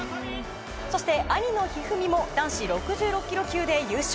そして兄の一二三も男子６６ｋｇ級で優勝。